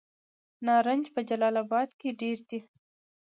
نارنج په جلال اباد کې ډیر دی.